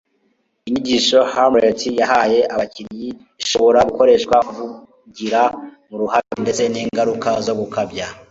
inyigisho hamlet yahaye abakinnyi ishobora gukoreshwa mu kuvugira mu ruhame ndetse n'ingaruka zo gukabya